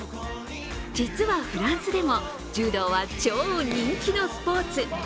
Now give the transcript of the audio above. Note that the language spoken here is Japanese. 実はフランスでも柔道は超人気のスポーツ。